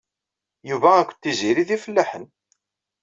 Yuba akked Tiziri d ifellaḥen.